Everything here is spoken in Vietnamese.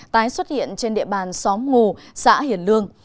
tái xuất hiện trên địa bàn xóm ngù xã hiển lương